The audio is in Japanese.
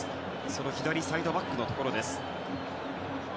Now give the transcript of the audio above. その左サイドバックのところでした。